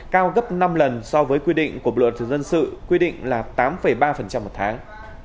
cao gấp năm lần so với quy định của bộ luật dân sự quy định là tám ba một tháng